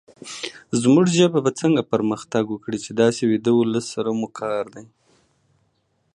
زمونږ ژبه به څنګه پرمختګ وکړې، چې داسې ويده ولس سره مو سروکار وي